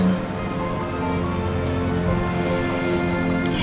mama tinggal ya